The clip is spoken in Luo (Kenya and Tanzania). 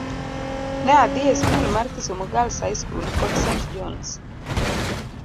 Ne adhi e skul mar Kisumu Girls High School kod St. John's.